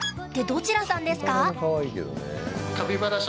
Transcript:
ってどちらさんですか？